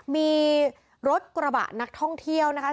มีรถกระบะนักท่องเที่ยวนะคะ